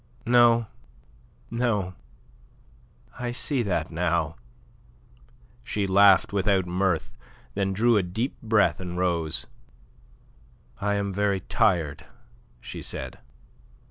"No, no. I see that now." She laughed without mirth, then drew a deep breath and rose. "I am very tired," she said.